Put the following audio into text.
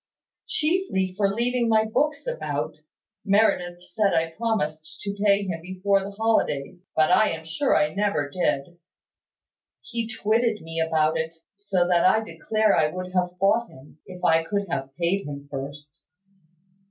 "Chiefly for leaving my books about. Meredith says I promised to pay him before the holidays; but I am sure I never did. He twitted me about it, so that I declare I would have fought him, if I could have paid him first."